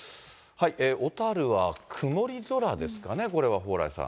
小樽は曇り空ですかね、これは蓬莱さん。